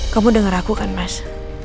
kamu dengar aku kan mas